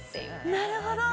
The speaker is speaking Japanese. なるほど！